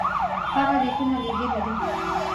هغه لیکونه لېږلي دي.